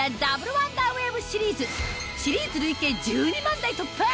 ワンダーウェーブシリーズシリーズ累計１２万台突破！